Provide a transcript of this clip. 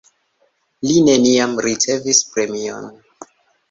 Li neniam ricevis premion.